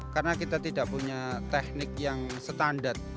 karena kita tidak punya teknik yang standar